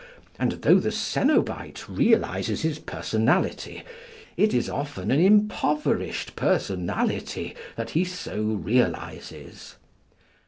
And though the cenobite realises his personality, it is often an impoverished personality that he so realises.